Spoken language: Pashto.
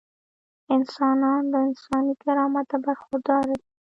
انسانان له انساني کرامته برخورداره دي.